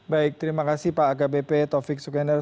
baik terima kasih pak akbp taufik sukendar